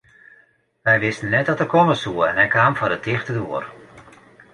Wy wisten net dat er komme soe en hy kaam foar de tichte doar.